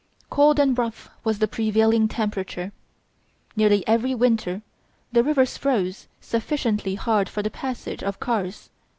Cold and rough was the prevailing temperature. Nearly every winter the rivers froze sufficiently hard for the passage of cars.